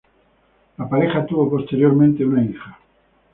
La pareja tuvo posteriormente una hija.